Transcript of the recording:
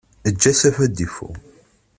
Eǧǧ asafu ad d-ifu!